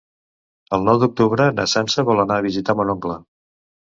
El nou d'octubre na Sança vol anar a visitar mon oncle.